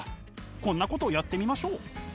こんなことをやってみましょう。